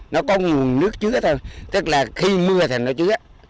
nó có nguồn nước chứa thôi tức là khi mưa thì nó chứa á